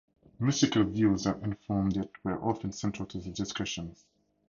Mystical views that informed it were often central to the discussions.